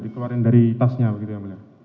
dituarin dari tasnya begitu yang mulia